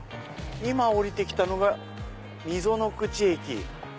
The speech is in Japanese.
今降りてきたのが溝の口駅。